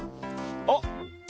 あっ！